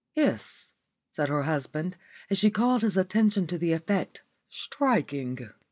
"Yes," said her husband, as she called his attention to the effect. "Striking."